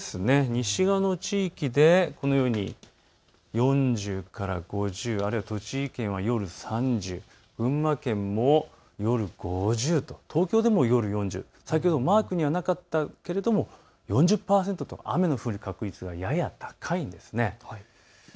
西側の地域で４０から５０、あるいは栃木県は夜３０、群馬県も夜５０と東京でも夜４０と先ほどマークにはなかったけれども４０％と雨の降る確率がやや高いんです。